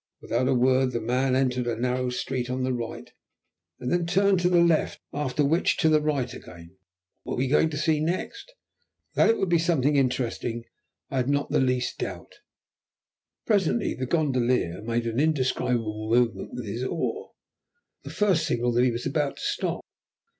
Without a word the man entered a narrow street on the right, then turned to the left, after which to the right again. What were we going to see next? That it would be something interesting I had not the least doubt. Presently the gondolier made an indescribable movement with his oar, the first signal that he was about to stop.